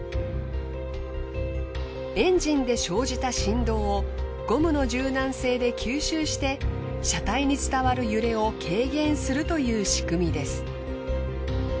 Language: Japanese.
エンジンで生じた振動をゴムの柔軟性で吸収して車体に伝わる揺れを軽減するという仕組みです。